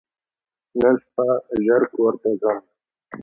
نن شپه ژر کور ته ځم !